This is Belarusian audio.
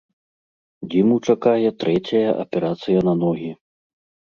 Дзіму чакае трэцяя аперацыя на ногі.